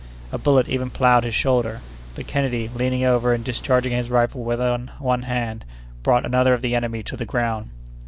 A bullet even ploughed his shoulder; but Kennedy, leaning over, and discharging his rifle with one hand, brought another of the enemy to the ground.